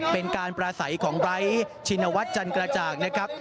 เป็นการปราศัยของไบร์ทชินวัฒน์จันกระจ่างนะครับ